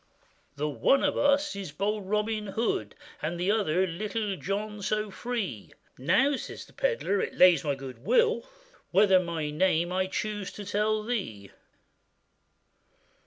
'The one of us is bold Robin Hood, And the other Little John, so free.' 'Now,' says the pedlar, 'it lays to my good will, Whether my name I chuse to tell to thee.